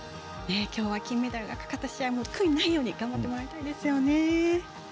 きょうは金メダルがかかった試合も悔いがないよう頑張ってもらいたいですよね。